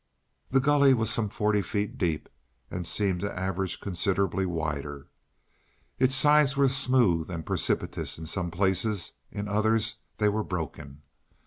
The gully was some forty feet deep and seemed to average considerably wider. Its sides were smooth and precipitous in some places; in others they were broken.